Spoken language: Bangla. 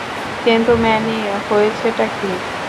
কিন্তু ম্যানি, হয়েছেটা কি?